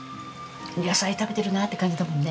野菜食べてるなって感じだもんね。